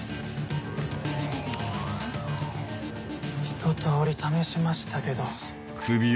ひと通り試しましたけど。